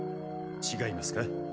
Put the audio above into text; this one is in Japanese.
違いますか？